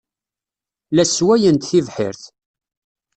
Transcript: La sswayent tibḥirt.